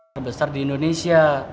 terbesar di indonesia